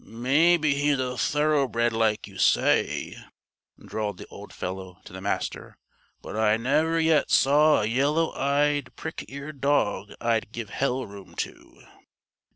"Maybe he's a thoroughbred, like you say," drawled the old fellow to the Master, "but I never yet saw a yellow eyed, prick eared dog I'd give hell room to."